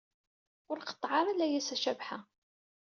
Ur qeṭṭeɛ ara layas a Cabḥa